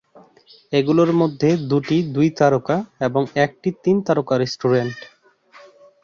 এগুলোর মধ্যে দুটি দুই তারকা এবং একটি তিন তারকা রেস্টুরেন্ট।